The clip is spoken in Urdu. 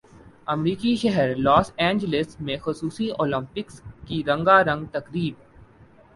امریکی شہر لاس اینجلس میں خصوصی اولمپکس کی رنگا رنگ تقریب